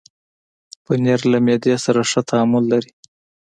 پنېر له معدې سره ښه تعامل لري.